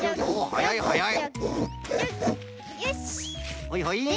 はいはい。